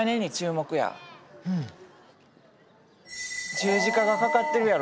十字架がかかってるやろ？